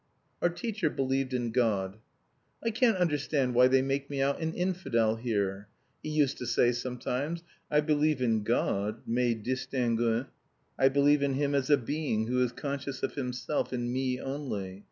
Our teacher believed in God. "I can't understand why they make me out an infidel here," he used to say sometimes. "I believe in God, mais distinguons, I believe in Him as a Being who is conscious of Himself in me only.